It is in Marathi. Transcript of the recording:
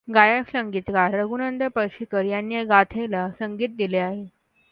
गायक संगीतकार रघुनंदन पळशीकर यांनी या गाथेला संगीत दिले आहे.